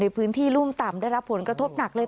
พื้นที่รุ่มต่ำได้รับผลกระทบหนักเลย